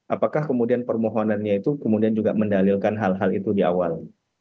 apakah kemudian permohonannya itu kemudian juga mendalilkan hal hal itu di awal